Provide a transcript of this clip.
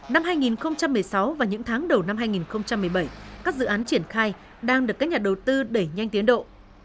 năm hai nghìn một mươi sáu và những tháng đầu năm hai nghìn một mươi bảy các dự án triển khai đang được các nhà đầu tư đẩy nhanh tiến độ